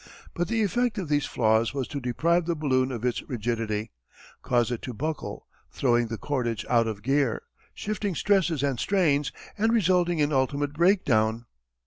But the effect of these flaws was to deprive the balloon of its rigidity, cause it to buckle, throwing the cordage out of gear, shifting stresses and strains, and resulting in ultimate breakdown.